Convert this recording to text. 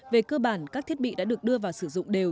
về cơ bản các thiết bị đã được đưa vào sử dụng đều